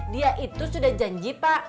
dia itu sudah janji pak